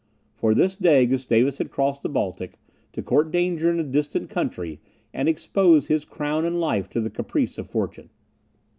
For this day Gustavus had crossed the Baltic, to court danger in a distant country, and expose his crown and life to the caprice of fortune.